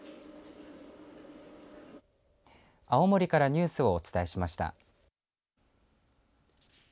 青森からニュースをお伝えしました。